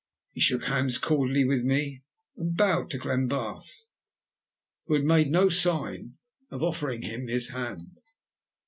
He shook hands cordially with me and bowed to Glenbarth, who had made no sign of offering him his hand.